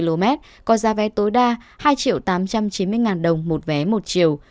có mức giá tối đa hai tám trăm chín mươi đồng một vé một triệu